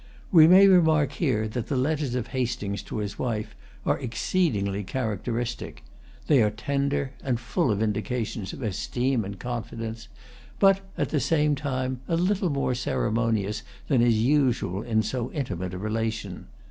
We may remark here that the letters of Hastings to his wife are exceedingly characteristic. They are tender, and full of indications of esteem and confidence: but, at the same time, a little more ceremonious than is usual in so intimate a relation.